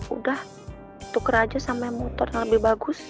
udah tuker aja sampai motor yang lebih bagus